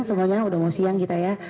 semuanya udah mau siang kita ya